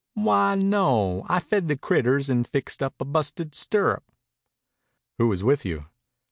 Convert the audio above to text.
"Why, no, I fed the critters and fixed up a busted stirrup." "Who was with you?"